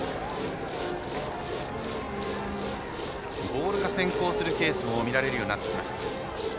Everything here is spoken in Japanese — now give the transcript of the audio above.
ボールが先行するケースもみられるようになりました。